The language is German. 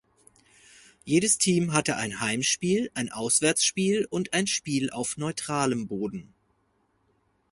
Jedes Team hatte ein Heimspiel, ein Auswärtsspiel und ein Spiel auf neutralem Boden.